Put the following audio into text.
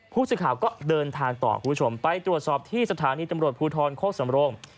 ผู้สื่อข่าวก็เดินทางต่อคุณผู้ชมไปตรวจสอบที่สถานีตำรวจภูทรโคกสำโรง